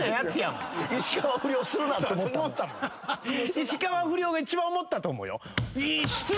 石川不遼が一番思ったと思うよ。